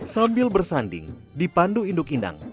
sambil bersanding di pandu induk indah